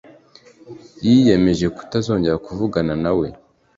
yiyemeje kutazongera kuvugana nawe